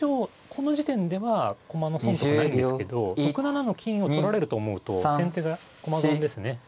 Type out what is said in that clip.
この時点では駒の損得ないんですけど６七の金を取られると思うと先手が駒損ですね。